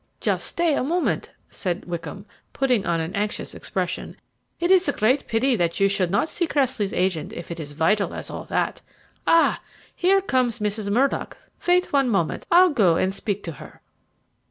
"Just stay a moment," said Wickham, putting on an anxious expression; "it is a great pity that you should not see Cressley's agent if it is as vital as all that. Ah! and here comes Mrs. Murdock; wait one moment, I'll go and speak to her."